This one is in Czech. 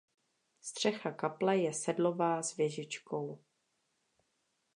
Střecha kaple je sedlová s věžičkou.